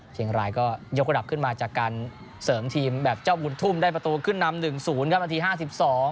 เชียงรายก็ยกกระดับขึ้นมาจากการเสริมทีมแบบเจ้าบุญทุ่มได้ประตูขึ้นนำ๑๐ครับนาที๕๒